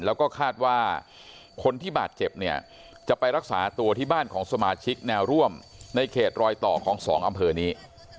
แล้วก็คาดว่าคนที่บาดเจ็บเนี่ยจะไปรักษาตัวที่บ้านของสมาชิกแนวร่วมในเขตรอยต่อของสองอำเภอนี้